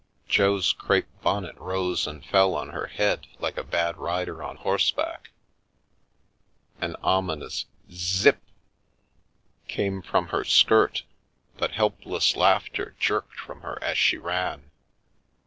Jo's crape bonnet rose and fell on her head like a bad rider on horseback, an ominous z z ip came from her skirt, but helpless laughter jerked from her as she ran.